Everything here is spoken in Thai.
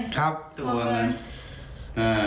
ก็ทวงเงินเลย